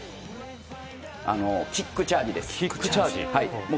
キックチャージです。